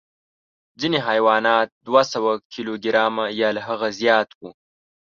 ځینې حیوانات دوه سوه کیلو ګرامه یا له هغه زیات وو.